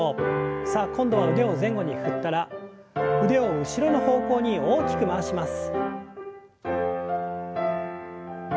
さあ今度は腕を前後に振ったら腕を後ろの方向に大きく回します。